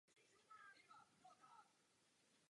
Vznikla jedna z prvních nočních fotografií.